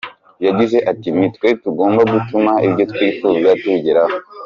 Yagize ati “Nitwe tugomba gutuma ibyo twifuza tubigeraho.